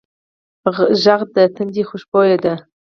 غږ د تندي خوشبو ده